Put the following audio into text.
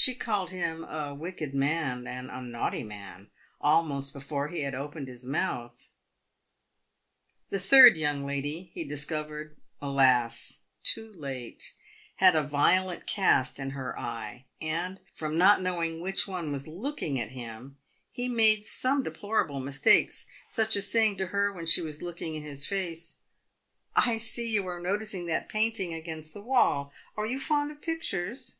She called him a wicked man, and a naughty man, almost before he had opened his mouth. The third young lady, he discovered, alas, too late ! had a violent cast in her eye, and, from not knowing which one was looking at him, he made some deplorable mistakes, such as saying to her when she was looking in his face, " I see you are noticing that painting against the wall. Are you fond of pictures